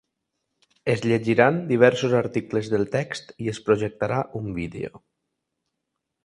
Es llegiran diversos articles del text i es projectarà un vídeo.